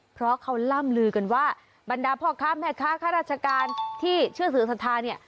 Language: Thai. เพราะเขาล่ำลือกันว่าบรรดาพ่อค้าแม่ค้าข้าราชการที่เชื่อสื่อศรัทธาเนี่ย